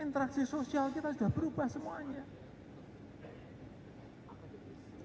interaksi sosial kita sudah berubah semuanya